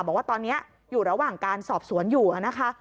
บอกว่าตอนนี้อยู่ระหว่างการสอบสวนอยู่นะคะ